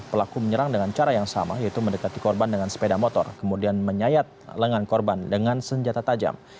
pelaku menyerang dengan cara yang sama yaitu mendekati korban dengan sepeda motor kemudian menyayat lengan korban dengan senjata tajam